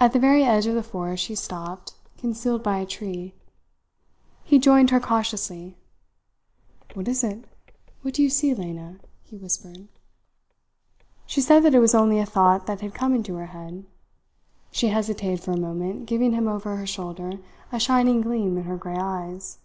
At the very edge of the forest she stopped, concealed by a tree. He joined her cautiously. "What is it? What do you see, Lena?" he whispered. She said that it was only a thought that had come into her head. She hesitated for a moment giving him over her shoulder a shining gleam in her grey eyes.